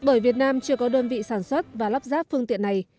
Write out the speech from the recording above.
bởi việt nam chưa có đơn vị sản xuất và lắp ráp phương tiện này